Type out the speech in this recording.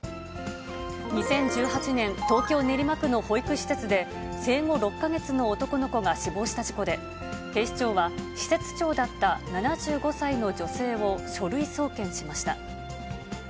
２０１８年、東京・練馬区の保育施設で、生後６か月の男の子が死亡した事故で、警視庁は、施設長だった７５歳の女性を書類送検しました。